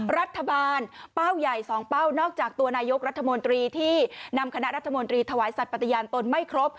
รัฐบาลเป้าใหญ่๒เป้านอกจากตัวนายกรัฐมนตรีที่นำคณะรัฐมนตรีถวายสัตว์ปฏิญาณตนไม่ครบ